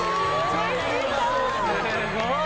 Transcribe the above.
「すごい！」